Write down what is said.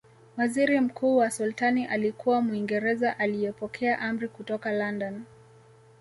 Waziri mkuu wa Sultani alikuwa Mwingereza aliyepokea amri kutoka London